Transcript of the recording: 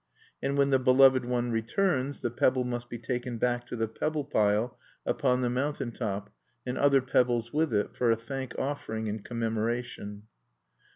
And when the beloved one returns, the pebble must be taken back to the pebble pile upon the mountain top, and other pebbles with it, for a thank offering and commemoration.